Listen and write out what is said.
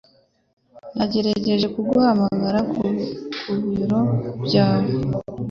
Nagerageje kuguhamagara ku biro byawe.